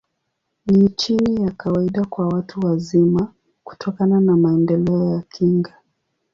Ni chini ya kawaida kwa watu wazima, kutokana na maendeleo ya kinga.